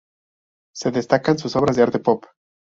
Se destacan sus obras de arte pop.